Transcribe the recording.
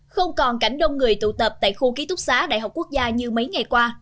không còn cảnh đông người tụ tập tại khu ký túc xá đại học quốc gia như mấy ngày qua